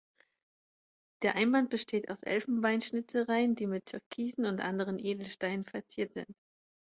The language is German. Der Einband besteht aus Elfenbein-Schnitzereien, die mit Türkisen und anderen Edelsteinen verziert sind.